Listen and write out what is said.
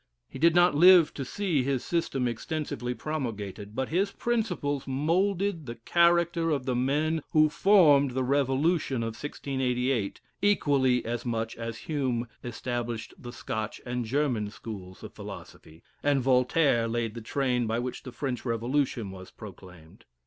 He did not live to see his system extensively promulgated; but his principles moulded the character of the men who formed the revolution of 1688, equally as much as Hume established the Scotch and German schools of philosophy; and Voltaire laid the train by which the French Revolution was proclaimed.